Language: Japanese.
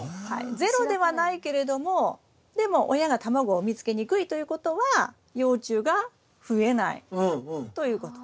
ゼロではないけれどもでも親が卵を産みつけにくいということは幼虫が増えないということ。